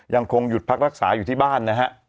ยังคงหยุดพักรักษาอยู่ที่บ้านนะฮะ